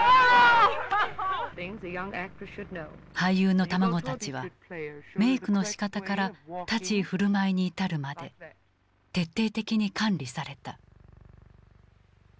俳優の卵たちはメークのしかたから立ち居振る舞いに至るまで徹底的に管理された。